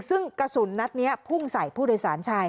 ซึ่งกระสุนนัดนี้พุ่งใส่ผู้โดยสารชาย